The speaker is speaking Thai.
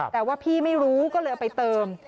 แต่ว่าพี่ไม่รู้ก็เลยเอาไปเติม